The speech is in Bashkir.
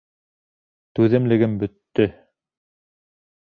Түҙемлегем бөттө!